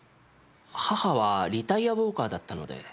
母はリタイアウォーカーだったので。